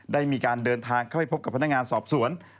ได้มีการเดินทางเข้าไปพบกับพนักงานสอบสวน